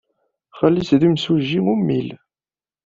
Xali-s d imsujji ummil.